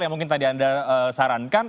yang mungkin tadi anda sarankan